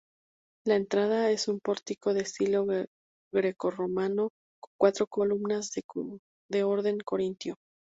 La entrada es un pórtico de estilo grecorromano con cuatro columnas de orden corintio.